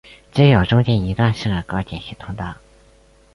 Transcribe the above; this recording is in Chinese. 只有中间一段适合高解析通道。